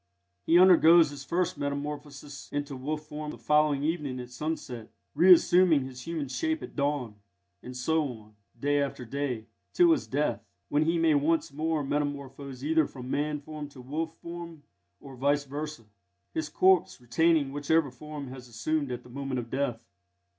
He undergoes his first metamorphosis into wolf form the following evening at sunset, reassuming his human shape at dawn; and so on, day after day, till his death, when he may once more metamorphose either from man form to wolf form, or vice versa, his corpse retaining whichever form has been assumed at the moment of death.